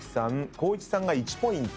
光一さんが１ポイント。